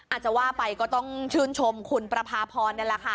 อาจจะว่าไปก็ต้องชื่นชมคุณประพาพรนี่แหละค่ะ